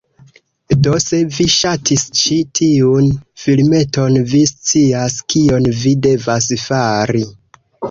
Do se vi ŝatis ĉi tiun filmeton, vi scias kion vi devas fari: